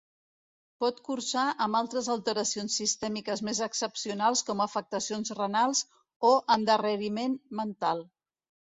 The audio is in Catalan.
Pot cursar amb altres alteracions sistèmiques més excepcionals com afectacions renals o endarreriment mental.